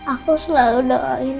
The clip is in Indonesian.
aku selalu doain